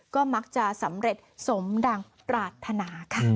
ก็มักจะสำเร็จสมดังปรารถนาค่ะ